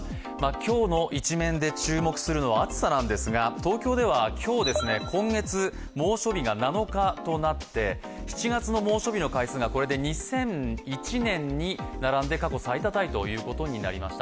「今日のイチメン」で注目するのは暑さなんですけど、東京では今日、今月猛暑日が７日となって７月の猛暑日の回数が、これで２００１年に並んで過去最多タイということになりました。